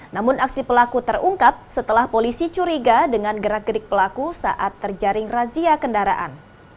namun aksi pelaku terungkap setelah polisi curiga dengan gerak gerik pelaku saat terjaring razia kendaraan